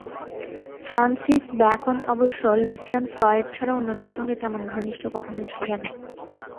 Francis Bacon অবশ্য Lucian Freud ছাড়া অন্যদের সঙ্গে তেমন ঘনিষ্ঠ কখনো ছিলেন না।